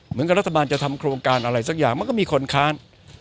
รัฐบาลจะทำโครงการอะไรสักอย่างมันก็มีคนค้าน